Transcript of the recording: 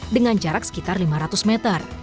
dengan jarak sekitar lima ratus meter